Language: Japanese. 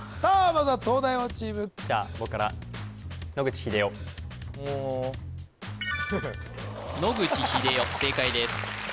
まずは東大王チームじゃあ僕から野口英世正解です